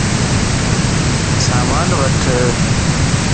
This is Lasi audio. سامان وٺ